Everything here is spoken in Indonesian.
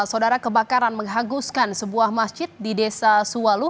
saudara kebakaran menghanguskan sebuah masjid di desa suwalu